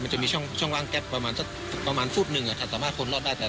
มันจะมีช่องล่างแก๊บประมาณฝุดนึงอ่ะถ้าสามารถคนรอดได้แต่